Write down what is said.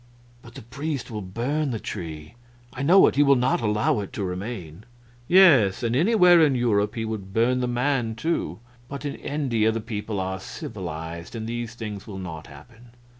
"But the priest will burn the tree. I know it; he will not allow it to remain." "Yes, and anywhere in Europe he would burn the man, too. But in India the people are civilized, and these things will not happen.